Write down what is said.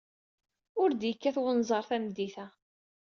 Ur d-yekkat wenẓar tameddit-a.